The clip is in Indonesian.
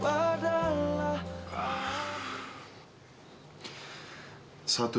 kita mereka semakin placentk